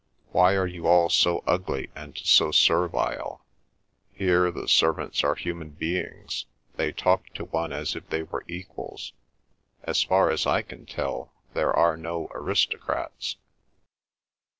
Why are you all so ugly and so servile? Here the servants are human beings. They talk to one as if they were equals. As far as I can tell there are no aristocrats."